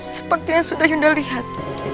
seperti yang sudah yuda lihat